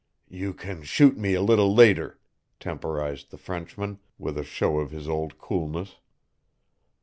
"You can shoot me a little later," temporized the Frenchman with a show of his old coolness.